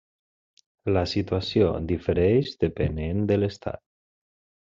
La situació difereix depenent de l'estat.